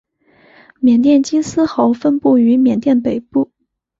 缅甸金丝猴分布于缅甸北部。